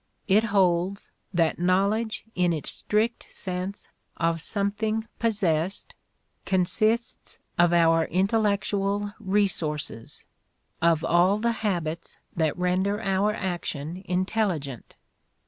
It holds that knowledge in its strict sense of something possessed consists of our intellectual resources of all the habits that render our action intelligent.